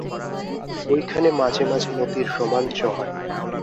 ওইখানে মাঝে মাঝে মতির রোমাঞ্চ হয়।